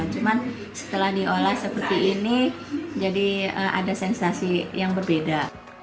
cuman setelah diolah seperti ini jadi ada sensasi yang berbeda